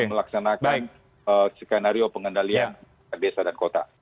melaksanakan skenario pengendalian desa dan kota